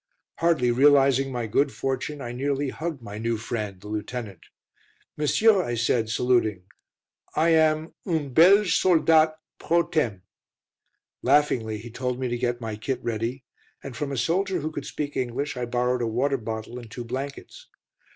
Hardly realising my good fortune, I nearly hugged my new friend, the Lieutenant. "Monsieur," I said, saluting, "I am un Belge soldat pro tem." Laughingly he told me to get my kit ready, and from a soldier who could speak English I borrowed a water bottle and two blankets.